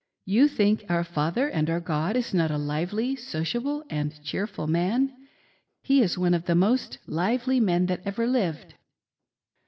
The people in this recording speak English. .. You think our Father and our God is not a lively, sociable, and cheerful man ; He is one of the most lively men that ever lived!"